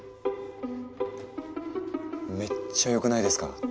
めっちゃ良くないですか？